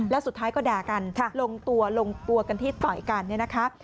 แล้วสุดท้ายก็ด่ากันลงตัวกันที่ต่อยกัน